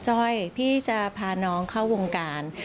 จ้อยพี่จะพาน้องเข้าวงการ